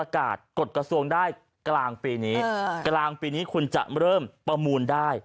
กลางปีนี้คุณจะเริ่มประมูลได้